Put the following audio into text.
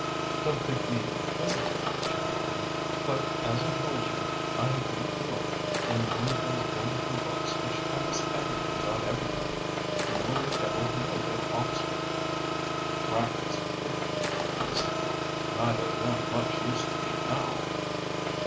"Don't think me inquisitive," she went on, "but, as I told you, I have looked you up in one of those wonderful books which tell us everything about everybody. You were a Double Blue at Oxford." "Racquets and cricket," he assented. "Neither of them much use to me now."